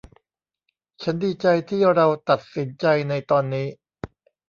ฉันดีใจที่เราตัดสินใจในตอนนี้